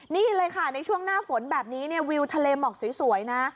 นี่เลยค่ะในช่วงหน้าฝนแบบนี้วิวทะเลหมอกสวยนะ